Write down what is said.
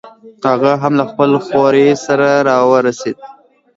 هغه هم له خپل خوریي سره راورسېد.